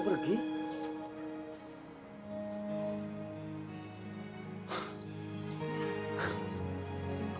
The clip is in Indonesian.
ke belakang lagi ya